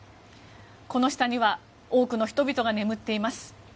この下には多くの人々が眠っています。